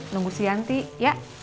nunggu si yanti ya